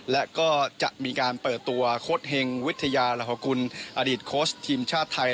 และก็จะมีการเปิดตัวโค้ดเฮงวิทยาลหกุลอดีตโค้ชทีมชาติไทย